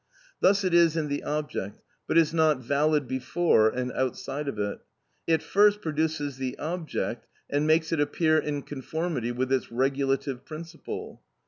Thus it is in the object, but is not valid before and outside of it; it first produces the object and makes it appear in conformity with its regulative principle.